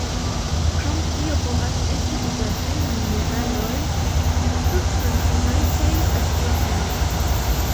Krom tio povas esti uzataj numeraloj substantivaj kaj adverbaj.